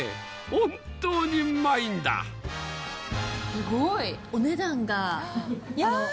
本当にうまいんだすごい！いや！